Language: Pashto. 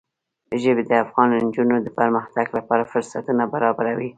ژبې د افغان نجونو د پرمختګ لپاره فرصتونه برابروي.